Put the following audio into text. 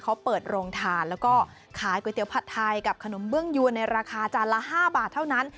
เขาเปิดโรงทานแล้วก็ขายก๋วยเตี๋ยวผัดไทยกับขนมเบื้องยวนในราคาจานละ๕บาทเท่านั้น